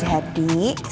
kita akan mencoba